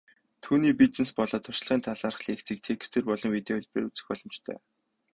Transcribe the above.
Түүний бизнес болоод туршлагын талаарх лекцийг текстээр болон видео хэлбэрээр үзэх боломжтой.